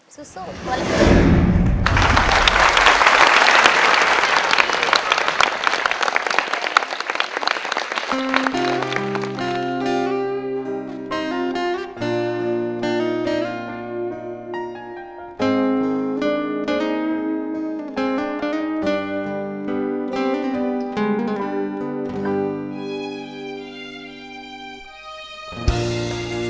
สู้สู้ตัวละครับ